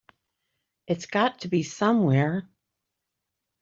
It's got to be somewhere.